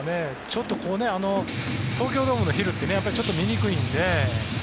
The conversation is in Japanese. ちょっと、東京ドームのヒルってちょっと見にくいので。